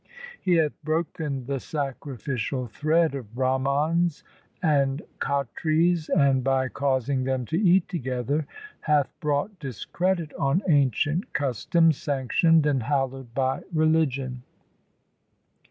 He hath broken the sacrificial thread of Brahmans and Khatris, and by causing them to eat together hath brought discredit on ancient customs sanctioned and hallowed by religion.